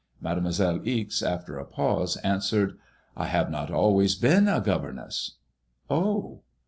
MademoisUe Ixe, after a pause, answered : ''I have not always been a governess." "Oh!"